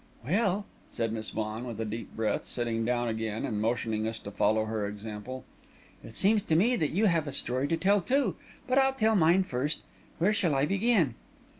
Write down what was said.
"Well," said Miss Vaughan, with a deep breath, sitting down again and motioning us to follow her example, "it seems to me that you have a story to tell, too! But I'll tell mine first. Where shall I begin?"